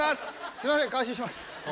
すみません回収します。